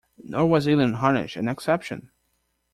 Nor was Elam Harnish an exception.